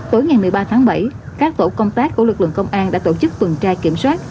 tối ngày một mươi ba tháng bảy các tổ công tác của lực lượng công an đã tổ chức tuần tra kiểm soát